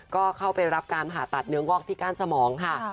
ก็เข้าไปรับการผ่าตัดเนื้องอกที่ก้านสมองค่ะ